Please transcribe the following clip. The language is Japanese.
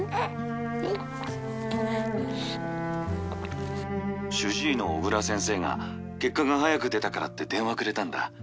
はい☎主治医の小倉先生が☎結果が早く出たからって電話くれたんだ